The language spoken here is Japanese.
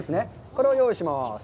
これを用意します。